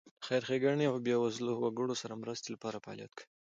د خیر ښېګڼې او بېوزله وګړو سره مرستې لپاره فعالیت کوي.